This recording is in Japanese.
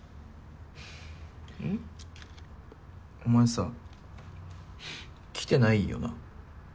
お前さ来てないよな？